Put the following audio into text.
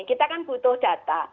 kita kan butuh data